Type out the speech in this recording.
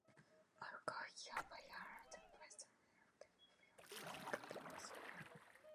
Oil caught fire and the fire snaked across the water before it extinguished itself.